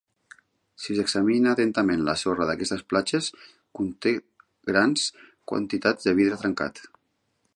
Si s'examina atentament, la sorra d'aquestes platges conté grans quantitats de vidre trencat.